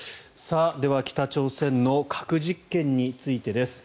では北朝鮮の核実験についてです。